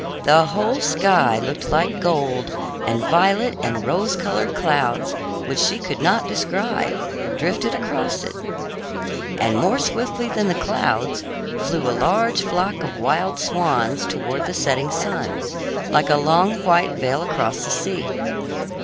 The whole sky looked like gold, and violet and rose colored clouds, which she could not describe, drifted across it. And more swiftly than the clouds, flew a large flock of wild swans toward the setting sun, like a long white veil across the sea.